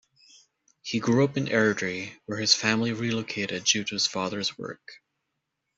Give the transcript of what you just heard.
He grew up in Airdrie, where his family relocated due to his father's work.